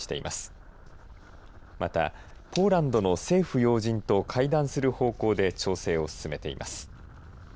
またポーランドの政府要人と会談する方向で調整を進めています。